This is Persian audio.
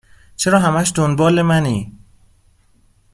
چرا همش دنبال ِ منی ؟